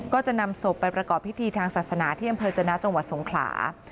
ก็จะนำศพไปประกอบพิธีทางศาสนาที่อำเภอจนะจังหวัดสงขลา